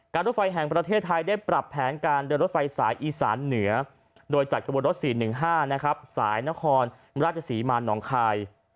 รถไฟแห่งประเทศไทยได้ปรับแผนการเดินรถไฟสายอีสานเหนือโดยจัดขบวนรถ๔๑๕นะครับสายนครราชศรีมาหนองคาย